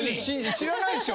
知らないでしょ！？